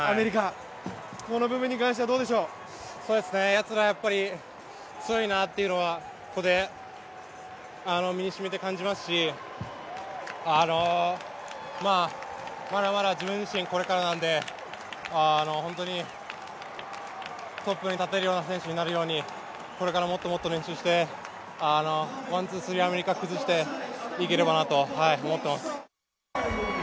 やつら強いなっていうのはここで身にしみて感じますしまだまだ自分自身これからなので本当にトップに立てるような選手になれるようにこれからもっともっと練習してワン・ツー・スリー、アメリカ崩していければなと思っています。